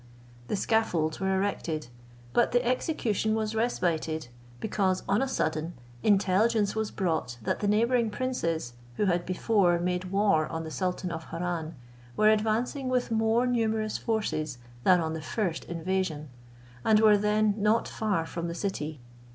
The scaffolds were erecting, but the execution was respited, because, on a sudden, intelligence was brought that the neighbouring princes, who had before made war on the sultan of Harran, were advancing with more numerous forces than on the first invasion, and were then not far from the city.